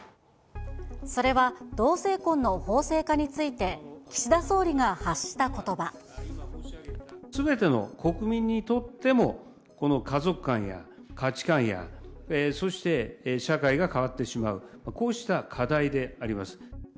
それは同性婚の法制化について、すべての国民にとっても、この家族観や価値観や、そして社会が変わってしまう、こうした課題であります。